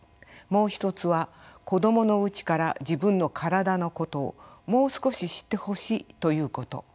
もう一つは子どものうちから自分の体のことをもう少し知ってほしいということ。